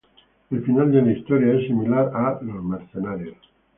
El final de la historieta es similar a "Los mercenarios".